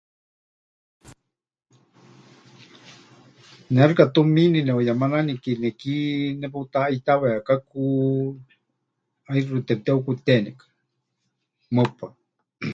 Ne xɨka tumiini neʼuyemananike neki neputaʼaitáwekaku ʼaixɨ temɨteheukutenikɨ, mɨpaɨ.